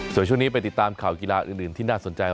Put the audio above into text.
ส่วนช่วงนี้ไปติดตามข่าวกีฬาอื่นที่น่าสนใจ